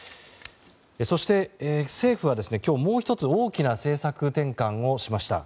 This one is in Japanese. そして、政府は今日もう１つ大きな政策転換をしました。